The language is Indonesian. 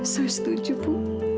saya setuju bu